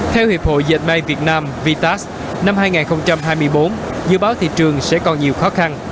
theo hiệp hội dệt may việt nam vitas năm hai nghìn hai mươi bốn dự báo thị trường sẽ còn nhiều khó khăn